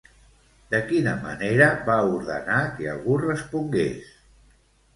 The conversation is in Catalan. De quina manera va ordenar que algú respongués?